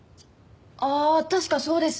ああ確かそうです。